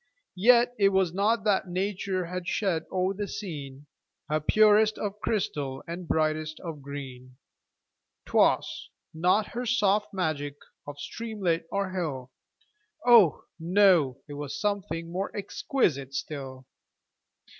Yet it was not that nature had shed o'er the scene Her purest of crystal and brightest of green; 'Twas not her soft magic of streamlet or hill, Oh! no—it was something more exquisite still.